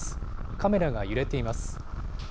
カメラが揺れています。